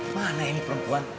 mana ini perempuan